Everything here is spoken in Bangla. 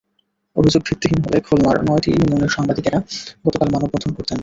অভিযোগ ভিত্তিহীন হলে খুলনার নয়টি ইউনিয়নের সাংবাদিকেরা গতকাল মানববন্ধন করতেন না।